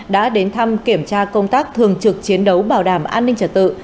đã đến thăm kiểm tra công tác thường trực chiến đấu bảo đảm an ninh trật tự